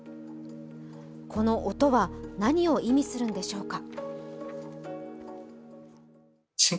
この音は何を意味するのでしょうか。